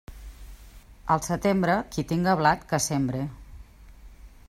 Al setembre, qui tinga blat, que sembre.